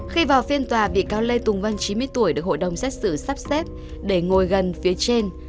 khi vào phiên tòa bị cáo lê tùng văn chín mươi tuổi được hội đồng xét xử sắp xếp để ngồi gần phía trên